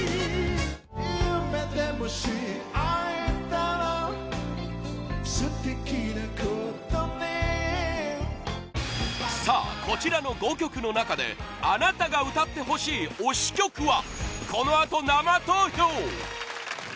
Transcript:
「夢でもし逢えたら素敵なことね」さあ、こちらの５曲の中であなたが歌ってほしい推し曲はこのあと生投票！